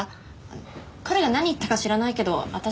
彼が何言ったか知らないけど私。